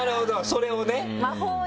それをね。